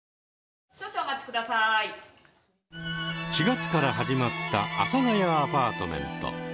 ４月から始まった「阿佐ヶ谷アパートメント」。